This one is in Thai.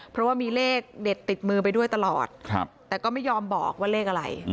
เพราะว่ามีเลขเด็ดติดมือไปด้วยตลอดแต่ก็ไม่ยอมบอกว่าเลขอะไร